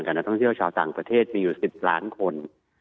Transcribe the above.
นักท่องเที่ยวชาวต่างประเทศมีอยู่๑๐ล้านคน